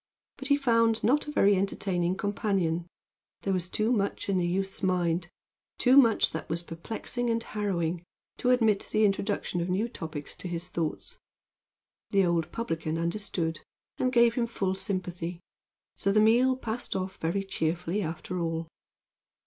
But he found not a very entertaining companion. There was too much in the youth's mind too much that was perplexing and harrowing to admit the introduction of new topics to his thoughts. The old publican understood, and gave him full sympathy; so the meal passed off very cheerfully after all.